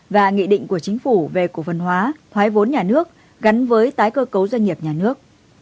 và nghị định của chính phủ về cổ phần hóa thoái vốn nhà nước gắn với tái cơ cấu doanh nghiệp nhà nước